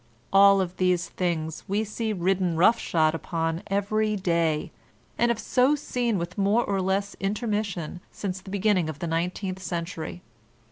All of these things we see ridden rough shod upon every day, and have so seen with more or less intermission since the beginning of the nineteendi century.